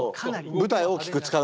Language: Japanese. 舞台を大きく使う。